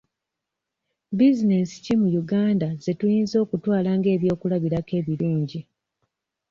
Bizinensi ki mu Uganda ze tuyinza okutwala ng'ebyokulabirako ebirungi?